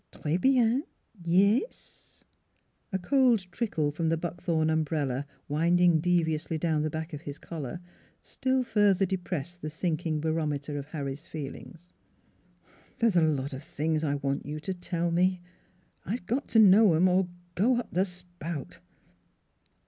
" Tres bien ee ss?" A cold trickle from the Buckthorn umbrella winding deviously down the back of his collar still further depressed the sinking barometer of Harry's feelings. " There's a lot of things I want you to tell me. I've got to know 'em, or go up the spout."